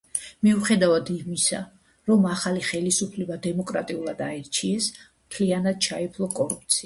მიუხედავად იმისა, რომ ახალი ხელისუფლება დემოკრატიულად აირჩიეს, მთლიანად ჩაეფლო კორუფციაში.